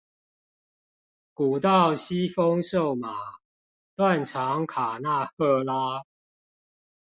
古道西風瘦馬，斷腸卡納赫拉